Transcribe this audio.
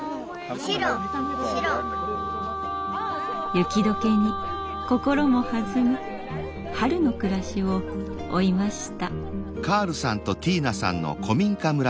雪解けに心も弾む春の暮らしを追いました。